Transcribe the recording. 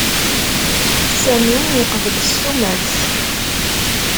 Sami yeqbel s tumert.